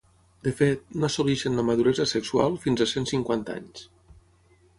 De fet, no assoleixen la maduresa sexual fins a cent cinquanta anys.